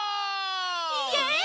イエイ！